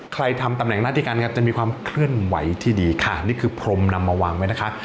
ทำตำแหน่งหน้าที่การงานจะมีความเคลื่อนไหวที่ดีค่ะนี่คือพรมนำมาวางไว้นะคะ